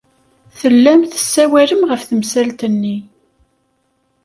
Tellam tessawalem ɣef temsalt-nni.